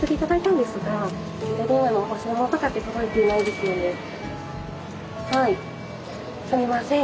すみません。